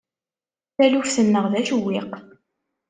Taluft-nneɣ d acewwiq.